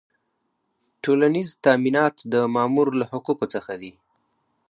ټولیز تامینات د مامور له حقوقو څخه دي.